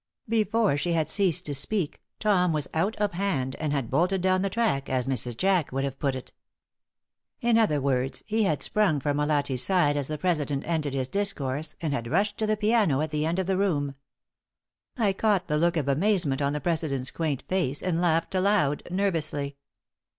Before she had ceased to speak Tom was out of hand and had bolted down the track, as Mrs. Jack would have put it. In other words, he had sprung from Molatti's side as the president ended his discourse and had rushed to the piano at the end of the room. I caught the look of amazement on the president's quaint face, and laughed aloud, nervously.